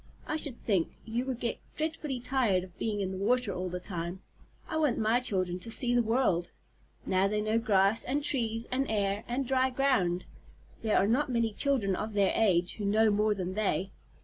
I should think you would get dreadfully tired of being in the water all the time. I want my children to see the world. Now they know grass, and trees, and air, and dry ground. There are not many children of their age who know more than they.